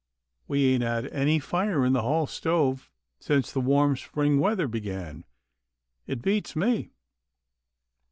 We ain't had any fire in the hall stove since the warm spring weather began. It beats me."